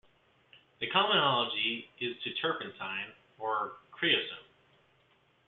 A common analogy is to turpentine or creosote.